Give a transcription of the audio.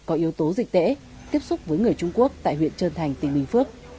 có yếu tố dịch tễ tiếp xúc với người trung quốc tại huyện trơn thành tỉnh bình phước